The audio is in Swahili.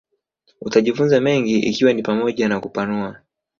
utajifunza mengi ikiwa ni pamoja na kupanua